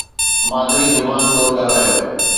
مادري زبان طور ڳالهايو